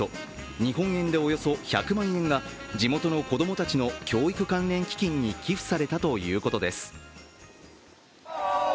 日本円でおよそ１００万円が地元の子供たちの教育関連基金に寄付されたということです。